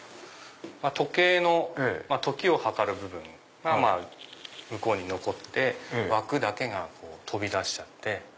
時計の時を計る部分が向こうに残って枠だけが飛び出しちゃって。